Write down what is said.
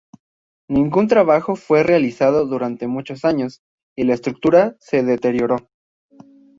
Ningún trabajo fue realizado durante muchos años, y la estructura se deterioró.